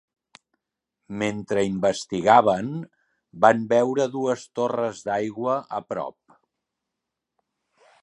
Mentre investigaven, van veure dues torres d'aigua a prop.